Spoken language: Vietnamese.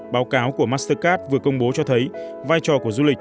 báo cáo của mastercard vừa công bố cho thấy vai trò của du lịch